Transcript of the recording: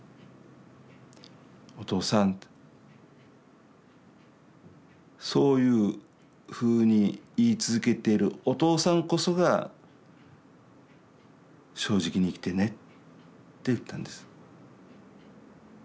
「お父さんそういうふうに言い続けてるお父さんこそが正直に生きてね」って言ったんです。